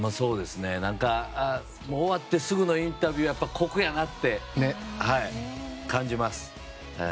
終わって、すぐのインタビューは酷やなって感じます。